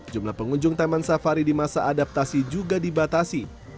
jumlah pengunjung taman safari di masa adaptasi juga dibatasi